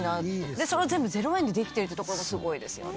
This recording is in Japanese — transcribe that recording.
でそれを全部０円でできてるってところがすごいですよね。